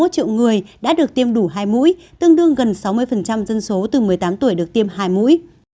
ba bảy mươi một triệu người đã được tiêm đủ hai mũi tương đương gần sáu mươi dân số từ một mươi tám tuổi được tiêm hai mũi